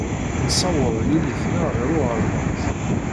Nessaweḍ yelli-tneɣ ɣer uɣerbaz.